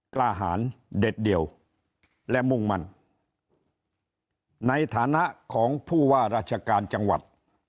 กล้าหารเด็ดเดี่ยวและมุ่งมั่นในฐานะของผู้ว่าราชการจังหวัด